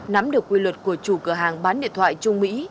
nắm được quy luật của chủ cửa hàng bán điện thoại trung mỹ